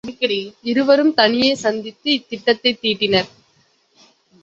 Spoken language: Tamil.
இருவரும் தனியே சந்தித்து இத்திட்டத்தைத் தீட்டினர்.